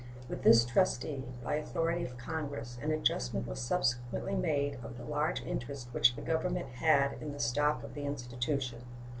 With this trustee, by authority of Congress, an adjustment was subsequently made of the large interest which the Government had in the stock of the institution.